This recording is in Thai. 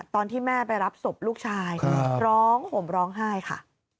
ตอนที่แม่ไปรับศพลูกชายร้องห่มร้องไห้ค่ะ